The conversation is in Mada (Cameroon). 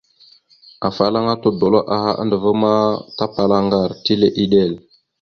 Afalaŋana tudola aha andəva, tapala aŋgar, tile eɗek.